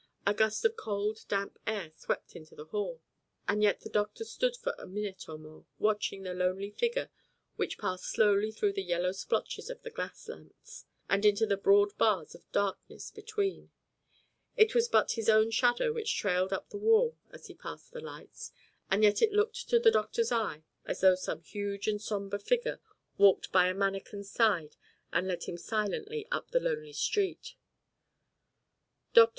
A gust of cold, damp air swept into the hall. And yet the doctor stood for a minute or more watching the lonely figure which passed slowly through the yellow splotches of the gas lamps, and into the broad bars of darkness between. It was but his own shadow which trailed up the wall as he passed the lights, and yet it looked to the doctor's eye as though some huge and sombre figure walked by a manikin's side and led him silently up the lonely street. Dr.